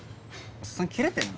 おっさんキレてんの？